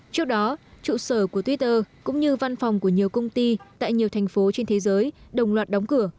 trước đó trụ sở của twitter cũng như văn phòng của nhiều công ty tại nhiều thành phố trên thế giới đồng loạt đóng cửa